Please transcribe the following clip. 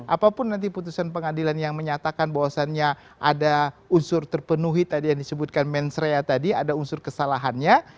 apapun nanti putusan pengadilan yang menyatakan bahwasannya ada unsur terpenuhi tadi yang disebutkan mensrea tadi ada unsur kesalahannya